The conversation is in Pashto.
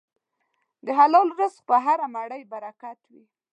د حلال رزق په هره مړۍ برکت وي.